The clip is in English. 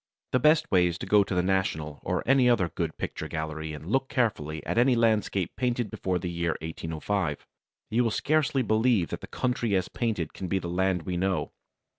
The best way is to go to the National, or any other good picture gallery, and look carefully at any landscapes painted before the year 1805. You will scarcely believe that the country as painted can be the land we know.